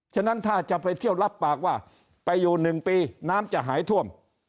ฉะนั้นถ้าจะไปเที่ยวรับปากว่าไปอยู่๑ปีน้ำจะหายท่วม